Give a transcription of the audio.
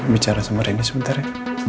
bicara sama rena sebentar ya